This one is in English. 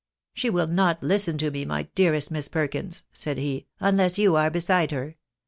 " She will not listen to me, my dearest Miss Perkins," said he, " unless you are beside her.